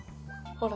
ほら！